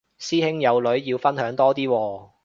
師兄有女要分享多啲喎